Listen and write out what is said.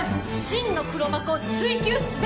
真の黒幕を追及すべし！